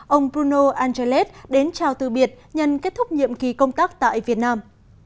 ông bruno angelet đến chào từ biệt nhằn kết thúc nhiệm kỳ công tác tại việt nam